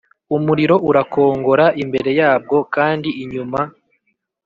Umuriro urakongora imbere yabwo kandi inyuma